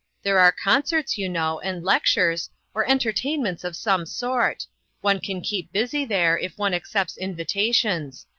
There are concerts, you know, and lectures, or en tertainments of some sort ; one can keep busy there, if one accepts invitations.